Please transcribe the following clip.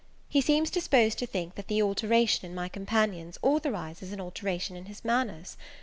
He seems disposed to think that the alteration in my companions authorises an alteration in his manners.